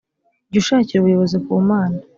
jya ushakira ubuyobozi ku mana